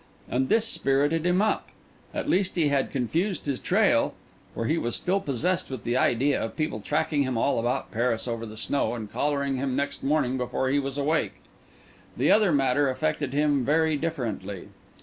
And this spirited him up; at least he had confused his trail; for he was still possessed with the idea of people tracking him all about Paris over the snow, and collaring him next morning before he was awake. The other matter affected him very differently.